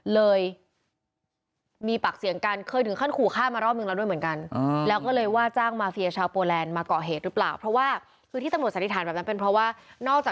เลยมีปากเสี่ยงกาลเคยถึงขั้นขู่ฆ่ามารอบนึงแล้วด้วยเหมือนกัน